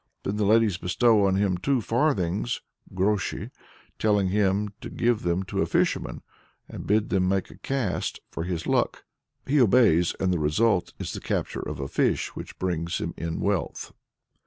Then the ladies bestow on him two farthings (groshi), telling him to give them to fishermen, and bid them make a cast "for his luck." He obeys, and the result is the capture of a fish which brings him in wealth.